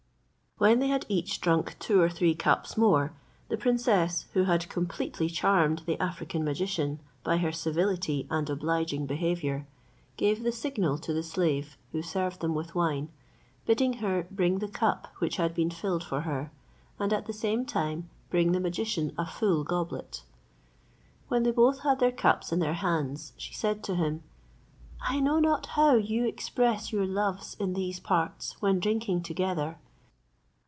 When they had each drunk two or three cups more, the princess, who had completely charmed the African magician by her civility and obliging behaviour, gave the signal to the slave who served them with wine, bidding her bring the cup which had been filled for her, and at the same time bring the magician a full goblet. When they both had their cups in their hands, she said to him, "I know not how you express your loves in these parts when drinking together?